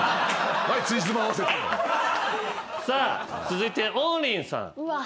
続いて王林さん。